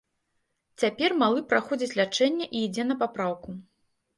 Цяпер малы праходзіць лячэнне і ідзе на папраўку.